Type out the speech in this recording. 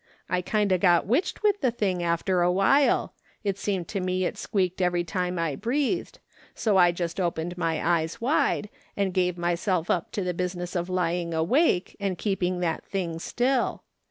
I kind o' got witched with the thing after awhile ; it seemed to me it squeaked every time I breathed ; so I just opened my eyes wide, and gave myself up to the business of lying awake, and keeping that thing still.